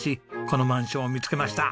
このマンションを見つけました。